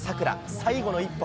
最後の１本。